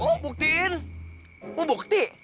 mau buktiin mau bukti